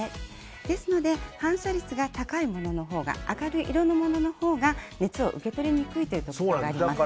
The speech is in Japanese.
ですので反射率が高いもの明るい色のもののほうが熱を受け取りにくいということがあります。